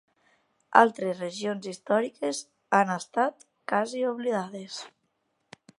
Altres regions històriques han estat quasi oblidades.